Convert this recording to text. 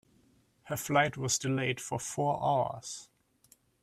Her flight was delayed for four hours.